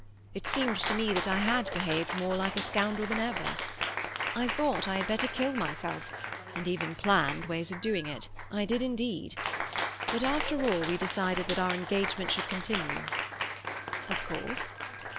It seemed to me that I had behaved more like a scoundrel than ever. I thought I had better kill myself, and even planned ways of doing it—I did indeed. But after all we decided that our engagement should continue." "Of course."